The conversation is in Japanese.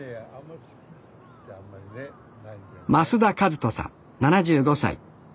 増田和人さん７５歳。